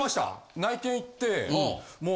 内見行ってもう。